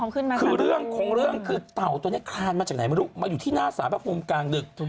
คือเรื่องของเรื่องคือเต่าตัวนี้คลานมาจากไหนไม่รู้มาอยู่ที่หน้าสารพระภูมิกลางดึก